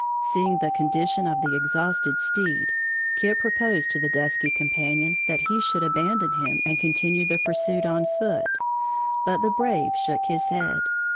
Seeing the condition of the exhausted steed, Kit proposed to his dusky companion that he should abandon him and continue the pursuit on foot, but the brave shook his head.